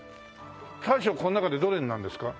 大将この中でどれになるんですか？